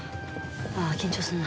あぁ緊張するな。